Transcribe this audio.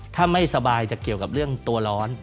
ถ้าไม่สบายจะเกี่ยวกับเรื่องตัวร้อน